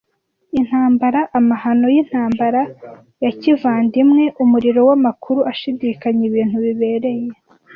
Intambara, amahano yintambara ya kivandimwe, umuriro wamakuru ashidikanya, ibintu bibereye;